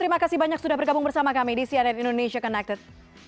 terima kasih banyak sudah bergabung bersama kami di cnn indonesia connected